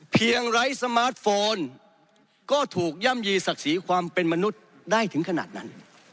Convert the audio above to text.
ไร้สมาร์ทโฟนก็ถูกย่ำยีศักดิ์ศรีความเป็นมนุษย์ได้ถึงขนาดนั้น